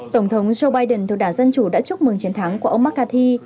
tổng thống joe biden thuộc đảng dân chủ đã chúc mừng chiến thắng của ông mccarthy